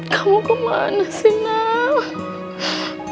kamu kemana sih nak